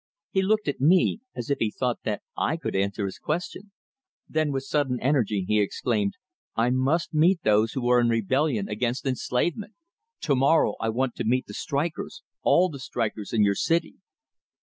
He looked at me, as if he thought that I could answer his question. Then with sudden energy he exclaimed: "I must meet those who are in rebellion against enslavement! Tomorrow I want to meet the strikers all the strikers in your city."